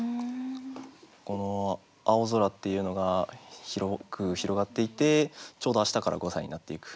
この青空っていうのが広く広がっていてちょうど明日から五歳になっていく。